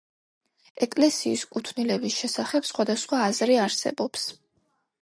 ეკლესიის კუთვნილების შესახებ სხვადასხვა აზრი არსებობს.